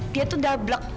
dia tuh dablek